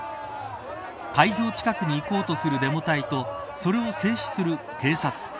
会場近くに行こうとするデモ隊とそれを制止する警察。